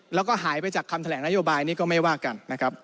แล้วหายไปจากคำแถลงนโยบายนี่ก็ไม่ว่ากัน